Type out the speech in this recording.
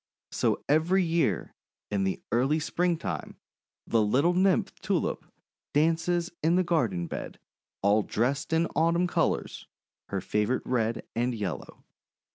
So every year, in the early Springtime, the little Nymph Tulip dances in the garden bed, all dressed in Autumn colours, her favourite red and yellow.